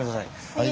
はい。